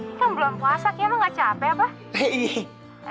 ini kan bulan puasa kayaknya emang gak capek apa